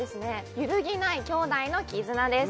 「揺るぎない兄弟の絆」です